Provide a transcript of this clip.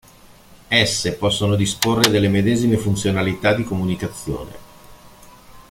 Esse possono disporre delle medesime funzionalità di comunicazione.